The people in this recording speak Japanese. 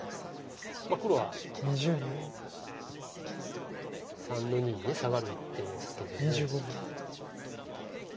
黒は３の二にサガる一手ですけども。